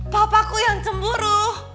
papaku yang cemburu